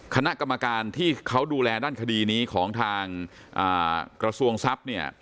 คณะกรรมการที่เขาดูแลด้านคดีนี้ของทางกระทรวงทรัพย์เนี่ย